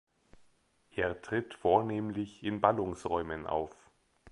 Er tritt vornehmlich in Ballungsräumen auf.